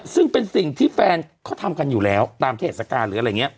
ซึ่งเป็นสิ่งที่แฟนเขาทำกันอยู่แล้วตามเทศกาลหรืออะไรอย่างนี้